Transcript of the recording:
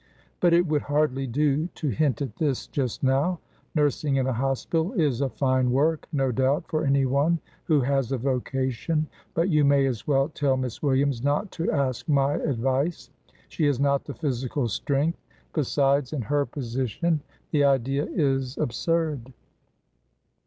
"But it would hardly do to hint at this just now. Nursing in a hospital is a fine work, no doubt, for anyone who has a vocation, but you may as well tell Miss Williams not to ask my advice. She has not the physical strength; besides, in her position, the idea is absurd.